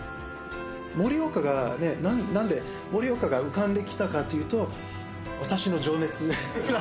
盛岡がなんで、盛岡が浮かんできたかっていうと、私の情熱。